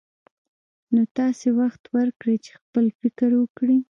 نو تاسې وخت ورکړئ چې خپل فکر وکړي.